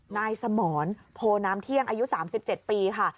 นายสมรโพน้ำเที่ยงอายุ๓๗ปีค่ะ